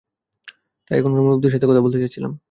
তাই এখানকার মুরুব্বিদের সাথে কথা বলতে চাচ্ছিলাম।